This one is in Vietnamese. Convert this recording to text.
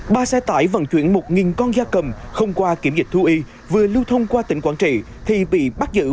ba xe tải vận chuyển một con da cầm không qua kiểm dịch thu y vừa lưu thông qua tỉnh quảng trị thì bị bắt giữ